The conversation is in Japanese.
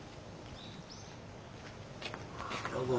どうも。